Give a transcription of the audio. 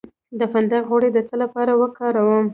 د فندق غوړي د څه لپاره وکاروم؟